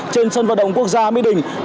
trên sân vận động quốc gia mỹ đình